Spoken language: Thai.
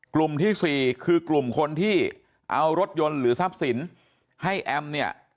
กลุ่มที่สี่คือกลุ่มคนที่เอารถยนต์หรือทรัพย์สินให้แอมเนี่ย